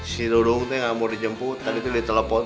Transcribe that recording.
si dudung gak mau dijemput tadi tuh di telepon